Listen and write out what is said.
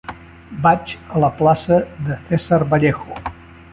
Vaig a la plaça de César Vallejo.